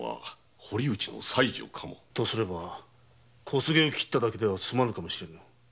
とすれば小菅を斬っただけではすまぬかも。